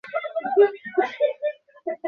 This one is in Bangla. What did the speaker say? এগুলো গদ্য আকারে রচিত এবং সরল কিংবা জটিল হতে পারে।